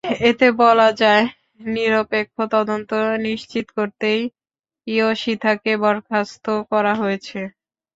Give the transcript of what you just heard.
এতে বলা হয়, নিরপেক্ষ তদন্ত নিশ্চিত করতেই ইয়োশিথাকে বরখাস্ত করা হয়েছে।